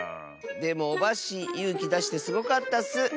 でもオバッシーゆうきだしてすごかったッス！